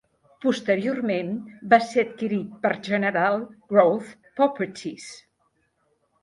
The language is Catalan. Posteriorment va ser adquirit per General Growth Properties.